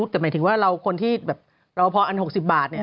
แต่หมายถึงว่าเราคนที่แบบรอพออัน๖๐บาทเนี่ย